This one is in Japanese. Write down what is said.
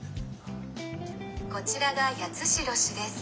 「こちらが八代市です」。